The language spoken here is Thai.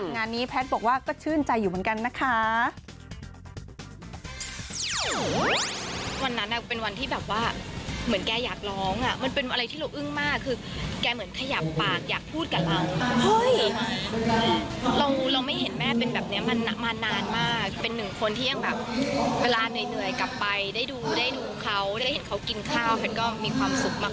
งานนี้แพทย์บอกว่าก็ชื่นใจอยู่เหมือนกันนะคะ